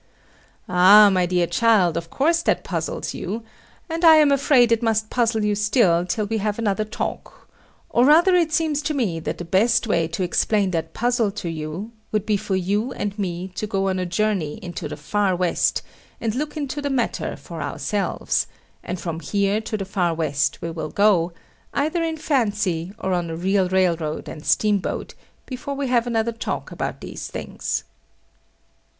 Ah, my dear child, of course that puzzles you, and I am afraid it must puzzle you still till we have another talk; or rather it seems to me that the best way to explain that puzzle to you would be for you and me to go a journey into the far west, and look into the matter for ourselves; and from here to the far west we will go, either in fancy or on a real railroad and steamboat, before we have another talk about these things.